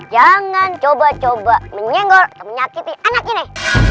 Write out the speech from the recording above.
jangan coba coba menyenggor atau menyakiti anak ini